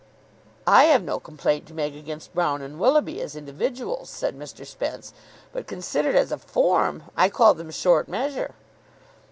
"I have no complaint to make against Brown and Willoughby, as individuals," said Mr. Spence; "but, considered as a form, I call them short measure."